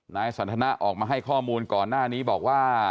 นายสันทนาออกมาให้ข้อมูลก่อนหน้านี้บอกว่า